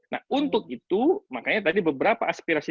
nah untuk itu makanya tadi beberapa aspirasi